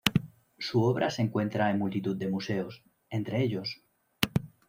Su obra se encuentra en multitud de museos, entre ellosː